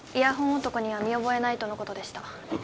男には見覚えないとのことでしたま